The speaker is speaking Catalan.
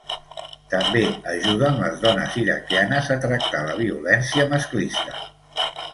També ajuden les dones iraquianes a tractar la violència masclista.